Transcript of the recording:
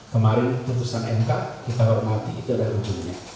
kemarin putusan mk kita hormati itu adalah ujungnya